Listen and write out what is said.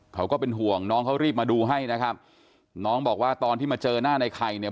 ก็เป็นห่วงน้องเขารีบมาดูให้นะครับน้องบอกว่าตอนที่มาเจอหน้าในไข่เนี่ย